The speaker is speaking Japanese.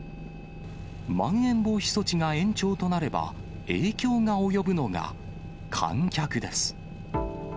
まん延防止措置が延長となれば、影響が及ぶのが、観客です。